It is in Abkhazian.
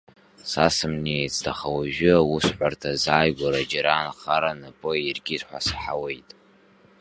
Са сымнеицт, аха уажәы аусҳәарҭа азааигәара џьара анхара напы аиркит ҳәа саҳауеит.